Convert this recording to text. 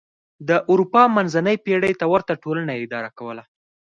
د اروپا منځنۍ پېړۍ ته ورته ټولنه یې اداره کوله.